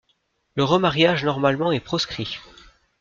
Le remariage normalement est proscrit.